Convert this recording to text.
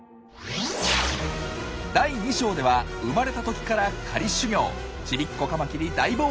第２章では生まれた時から狩り修業。